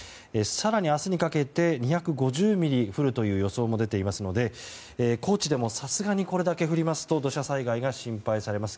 更に明日にかけて２５０ミリ降る予想も出ていますので高知でもさすがにこれだけ降りますと土砂災害が心配されます。